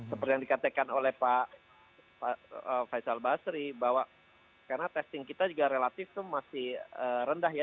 seperti yang dikatakan oleh pak faisal basri bahwa karena testing kita juga relatif masih rendah ya